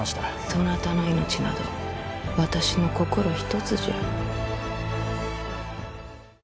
そなたの命など私の心ひとつじゃ。